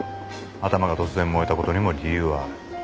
頭が突然燃えたことにも理由はある。